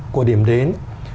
của điểm đến